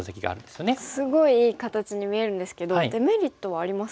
すごいいい形に見えるんですけどデメリットはありますか？